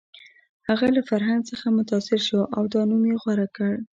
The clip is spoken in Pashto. هغه له فرهنګ څخه متاثر شو او دا نوم یې غوره کړ